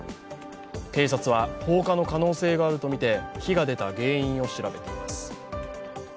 警察は放火の可能性があるとみて火が出た原因を調べています。